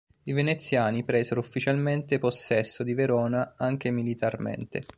I veneziani, presero ufficialmente possesso di Verona, anche militarmente.